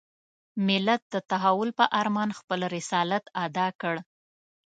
ملت د تحول په ارمان خپل رسالت اداء کړ.